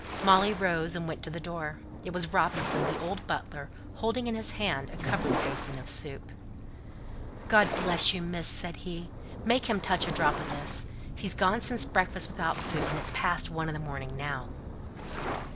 Molly rose and went to the door: it was Robinson, the old butler, holding in his hand a covered basin of soup. "God bless you, Miss," said he; "make him touch a drop o' this: he's gone since breakfast without food, and it's past one in the morning now."